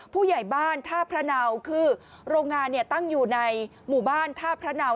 ผู้ใหญ่บ้านท่าพระเนาคือโรงงานเนี่ยตั้งอยู่ในหมู่บ้านท่าพระเนา